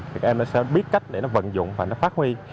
các em nó sẽ biết cách để vận dụng và phát huy